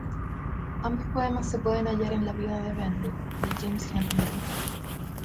Ambos poemas se pueden hallar en la "Vida de Bentley" de James Henry Monk.